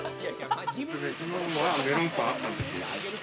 昨日はメロンパンあったんですよ。